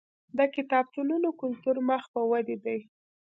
د کتابتونونو کلتور مخ په ودې دی.